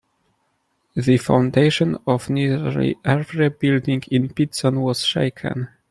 The foundation of nearly every building in Pittston was shaken.